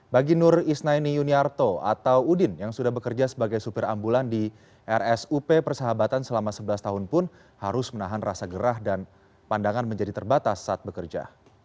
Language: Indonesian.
bagi nur isnaini yuniarto atau udin yang sudah bekerja sebagai supir ambulan di rsup persahabatan selama sebelas tahun pun harus menahan rasa gerah dan pandangan menjadi terbatas saat bekerja